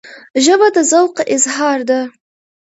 ژبه د ذوق اظهار ده